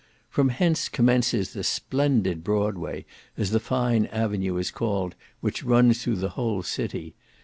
From hence commences the splendid Broadway, as the fine avenue is called, which runs through the whole city.